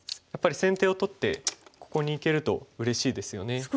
やっぱり先手を取ってここにいけるとうれしいですよね。